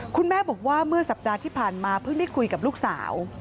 คุณแม่บอกว่าเมื่อสัปดาห์ที่ผ่านมาเพิ่งได้คุยกับลูกสาว